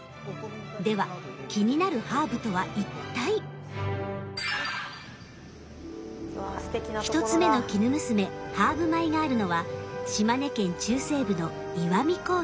では気になるハーブとは一体⁉一つ目のきぬむすめ「ハーブ米」があるのは島根県中西部の石見高原。